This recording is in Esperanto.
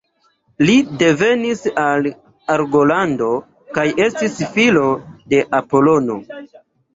Li devenis el Argolando kaj estis filo de Apolono.